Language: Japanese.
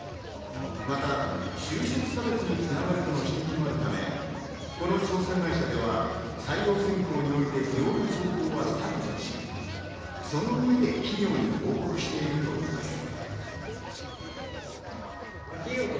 また就職差別に繋がるとの指摘もあるため、この調査会社では採用選考において不要な情報は削除し、その上で企業に報告しているということです。